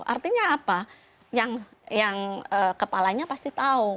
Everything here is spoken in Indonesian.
artinya apa yang kepalanya pasti tahu